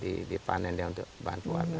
iya dipanen untuk bahan pewarna